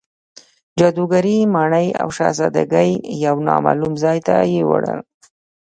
جادوګر ماڼۍ او شهزادګۍ یو نامعلوم ځای ته یووړل.